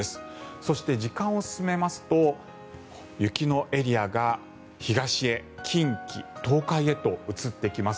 そして時間を進めますと雪のエリアが東へ近畿、東海へと移っていきます。